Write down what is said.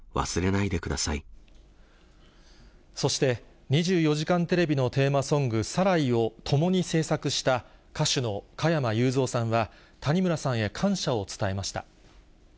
そして、２４時間テレビのテーマソング、サライを共に制作した、歌手の加山雄三さんは、谷村さんへ感謝を伝えました。